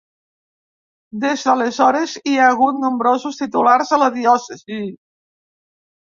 Des d'aleshores hi ha hagut nombrosos titulars de la diòcesi.